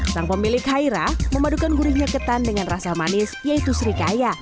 sang pemilik haira memadukan gurihnya ketan dengan rasa manis yaitu serikaya